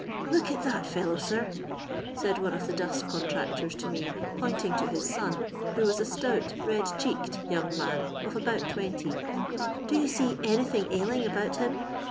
"Look at that fellow, sir 1" said one of the dust contracton to me, pointing to his son, who was a stout red cheeked young man of about twenty. " Do you see anything ailing about him